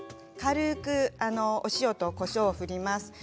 軽くお塩とこしょうを振ります。